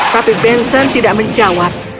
tapi benson tidak menjawab